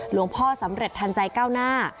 หลวงพ่อสำเร็จทันใจก้าวหน้า